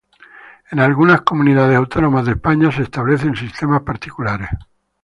En algunas comunidades autónomas de España se establecen sistemas particulares.